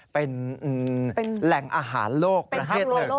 เป็นแหล่งอาหารโลกประเทศ